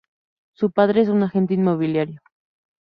Su padre es un agente inmobiliario.